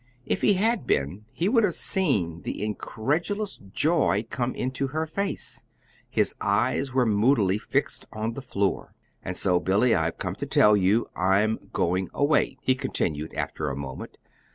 If he had been he would have seen the incredulous joy come into her face. His eyes were moodily fixed on the floor. "And so, Billy, I've come to tell you. I'm going away," he continued, after a moment.